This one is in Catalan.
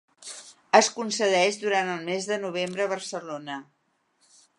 Es concedeix durant el mes de novembre a Barcelona.